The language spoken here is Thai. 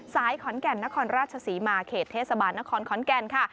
ขอนแก่นนครราชศรีมาเขตเทศบาลนครขอนแก่นค่ะ